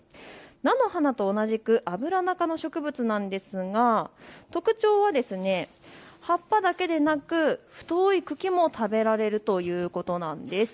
菜の花と同じくアブラナ科の植物なんですが特徴は葉っぱだけでなく太い茎も食べられるということなんです。